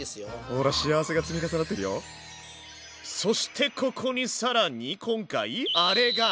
ほらそしてここに更に今回あれが！